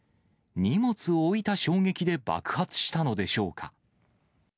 荷物を置いた衝撃で爆発したのでしょうか。